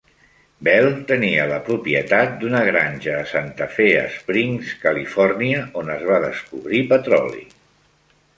Bell tenia la propietat d"una granja a Santa Fe Springs, Califòrnia, on es va descobrir petroli.